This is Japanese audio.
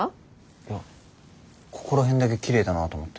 いやここら辺だけきれいだなと思って。